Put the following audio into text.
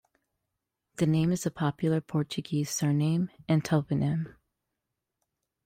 The name is a popular Portuguese surname and toponym.